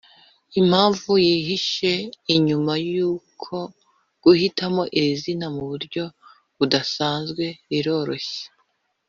Impamvu yihishe inyuma y’uku guhitamo iri zina mu buryo budasanzwe iroroshye